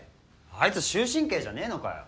あいつ終身刑じゃねえのかよ。